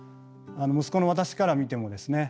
息子の私から見てもですね